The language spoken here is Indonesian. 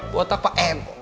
botak pak en